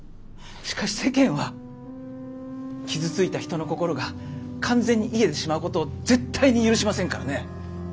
しかし世間は傷ついた人の心が完全に癒えてしまうことを絶対に許しませんからね。